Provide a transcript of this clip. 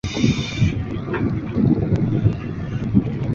辛甘镇为缅甸曼德勒省皎克西县的镇区。